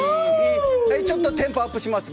ちょっとテンポアップします。